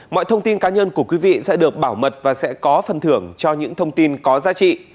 mọi thông tin cá nhân của quý vị sẽ được bảo mật và sẽ có phần thưởng cho những thông tin có giá trị